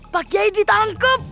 pak kiayi ditangkep